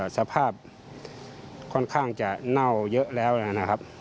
สภาพค่อนข้างจะเน่าเยอะแล้วนะครับ